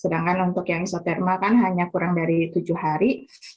sedangkan untuk yang isotermal kan hanya kurang dari tujuh hari